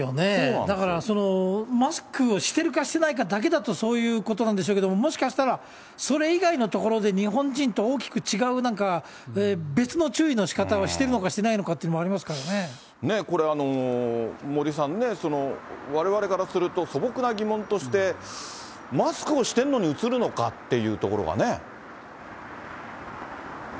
だからマスクをしてるかしてないかだけだとそういうことなんでしょうけども、もしかしたらそれ以外のところで、日本人と大きく違う、なんか別の注意のしかたをしてるのかしてないのかっていうのもあこれ、森さんね、われわれからすると、素朴な疑問として、マスクをしてるのにうつるのかっていうところがね。